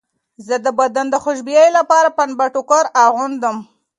زه د بدن خوشبویۍ لپاره پنبه ټوکر اغوندم.